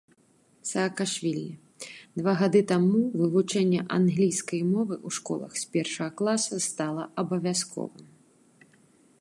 Саакашвілі два гады таму вывучэнне англійскай мовы ў школах з першага класа стала абавязковым.